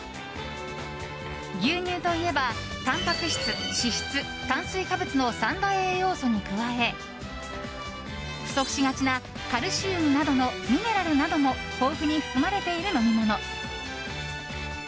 牛乳といえばたんぱく質、脂質、炭水化物の三大栄養素に加え不足しがちなカルシウムなどのミネラルなども豊富に含まれている飲み物。